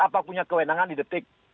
apa punya kewenangan di detik